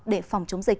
để phòng chống dịch